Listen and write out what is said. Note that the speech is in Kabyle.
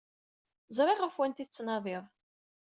Ẓriɣ ɣef wanta ay tettnadiḍ.